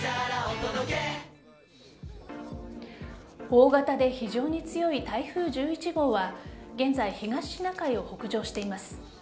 大型で非常に強い台風１１号は現在、東シナ海を北上しています。